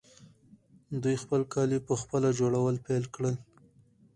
دوی خپل کالي پخپله جوړول پیل کړل.